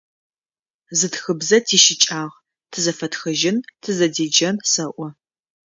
Зы тхыбзэ тищыкӏагъ: тызэфэтхэжьын, тызэдеджэн, сэӏо.